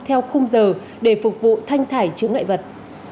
theo khung giờ để phục vụ thanh thải chứa ngại vật